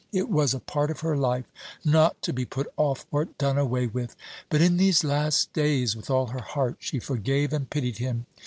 It was a part of her life not to be put off or done away with. But in these last days, with all her heart she forgave and pitied him.